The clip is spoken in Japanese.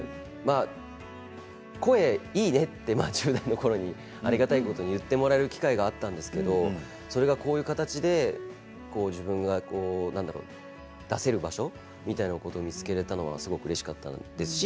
声いいねってありがたいことに言ってもらえる機会があったんですけれどそれが、こういう形で出せる場所みたいなものを見つけられたのはうれしかったですし。